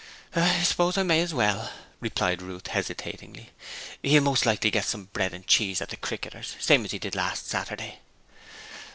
'I suppose I may as well,' replied Ruth, hesitatingly. 'He'll most likely get some bread and cheese at the "Cricketers", same as he did last Saturday.'